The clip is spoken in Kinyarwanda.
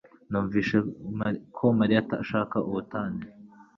Numvise ko Mariya ashaka ubutane.